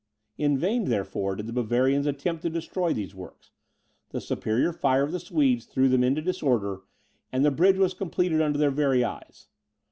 In vain, therefore, did the Bavarians attempt to destroy these works; the superior fire of the Swedes threw them into disorder, and the bridge was completed under their very eyes.